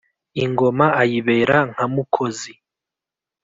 ingoma ayibera nka mukozi.